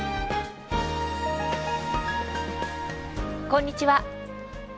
こんにちは。